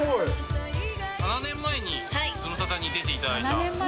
７年前にズムサタに出ていただいた。